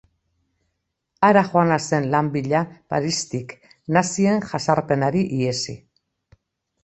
Hara joana zen lan bila, Paristik, nazien jazarpenari ihesi.